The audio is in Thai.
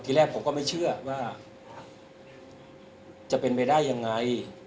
แรกผมก็ไม่เชื่อว่าจะเป็นไปได้ยังไง